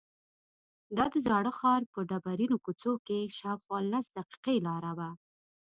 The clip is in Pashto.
دا د زاړه ښار په ډبرینو کوڅو کې شاوخوا لس دقیقې لاره وه.